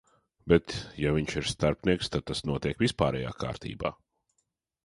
Bet, ja viņš ir starpnieks, tad tas notiek vispārējā kārtībā.